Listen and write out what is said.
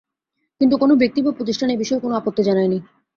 কিন্তু কোনো ব্যক্তি বা প্রতিষ্ঠান এ বিষয়ে কোনো আপত্তি জানায়নি।